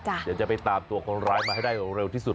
เดี๋ยวจะไปตามตัวคนร้ายมาให้ได้เร็วที่สุด